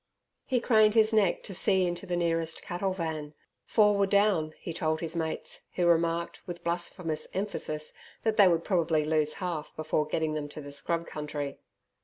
He craned his neck to see into the nearest cattle van. Four were down, he told his mates, who remarked, with blasphemous emphasis, that they would probably lose half before getting them to the scrub country.